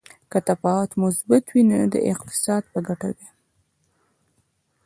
که تفاوت مثبت وي نو د اقتصاد په ګټه دی.